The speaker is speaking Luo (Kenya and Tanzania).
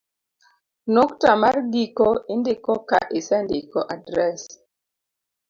nukta mar giko indiko ka isendiko adres